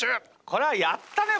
これはやったね